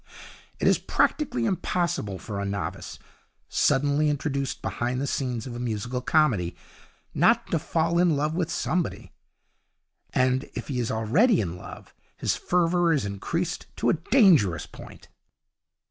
It is practically impossible for a novice, suddenly introduced behind the scenes of a musical comedy, not to fall in love with somebody; and, if he is already in love, his fervour is increased to a dangerous point.